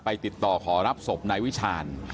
ติดต่อขอรับศพนายวิชาญ